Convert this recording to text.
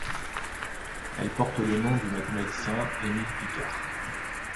Elle porte le nom du mathématicien Émile Picard.